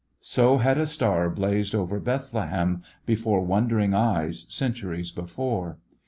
So had a star blazed over Bethlehem, before wondering eyes, centuries before.